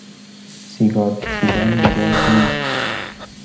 سیگار کشیدن مجاز نیست